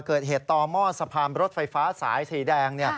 เกิดเหตุต่อหม้อสะพานรถไฟฟ้าสายสีแดง